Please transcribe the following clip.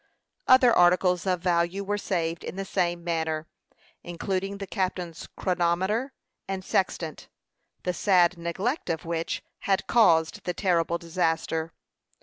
Other articles of value were saved in the same manner, including the captain's chronometer and sextant, the sad neglect of which had caused the terrible disaster.